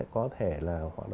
có thể là